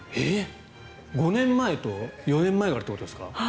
５年前と４年前があるということですか？